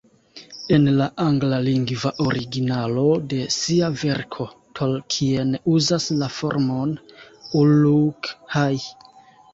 En la anglalingva originalo de sia verko Tolkien uzas la formon "uruk-hai".